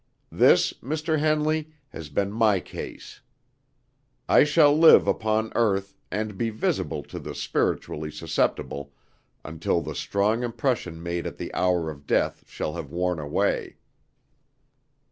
This, Mr. Henley, has been my case. I shall live upon earth, and be visible to the spiritually susceptible, until the strong impression made at the hour of death shall have worn away."